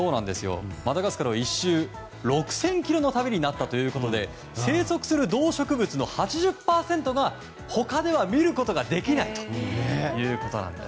マダガスカル１周６０００ｋｍの旅になったということで生息する動植物の８０％が他では見ることができないということなんです。